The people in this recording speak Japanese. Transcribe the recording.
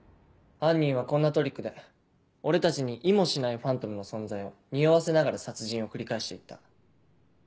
犯人はこんなトリックで俺たちにいもしないファントムの存在をにおわせながら殺人を繰り返して行った。